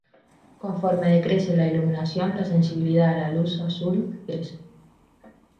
Conforme decrece la iluminación, la sensibilidad a la luz azul, crece.